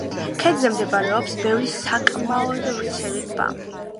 ქედზე მდებარეობს ბევრი საკმაოდ ვრცელი ტბა.